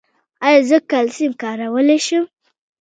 ایا زه کلسیم کارولی شم؟